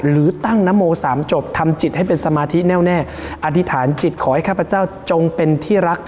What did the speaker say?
หรือตั้งนโมสามจบทำจิตให้เป็นสมาธิแน่วแน่อธิษฐานจิตขอให้ข้าพเจ้าจงเป็นที่รัก